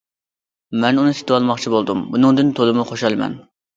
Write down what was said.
مەن ئۇنى سېتىۋالماقچى بولدۇم، بۇنىڭدىن تولىمۇ خۇشالمەن.